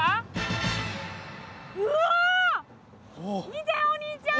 見てお兄ちゃん！